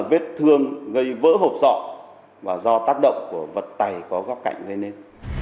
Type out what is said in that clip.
vết thương gây vỡ hộp sọ và do tác động của vật tày có góc cạnh gây nên